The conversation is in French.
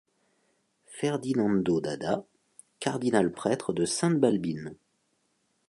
Ferdinando d'Adda, cardinal-prêtre de Sainte-Balbine.